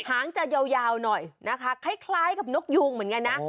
หางจะยาวหน่อยนะคะคล้ายกับนกยูงเหมือนกันนะ